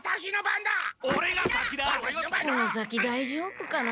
この先だいじょうぶかな？